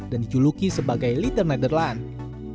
dan dijuluki sebagai leader netherlands